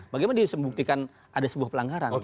bagaimana dia bisa membuktikan ada sebuah pelanggaran